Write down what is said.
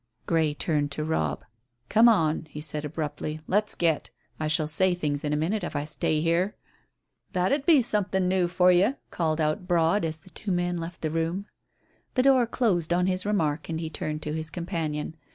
Grey turned to Robb. "Come on," he said abruptly. "Let's get. I shall say things in a minute if I stay here." "That 'ud be something new for you," called out Broad, as the two men left the room. The door closed on his remark and he turned to his companion.